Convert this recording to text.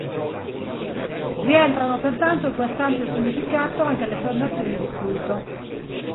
Rientrano pertanto in quest'ampio significato anche le fondazioni di culto.